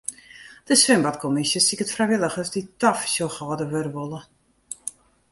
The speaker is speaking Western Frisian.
De swimbadkommisje siket frijwilligers dy't tafersjochhâlder wurde wolle.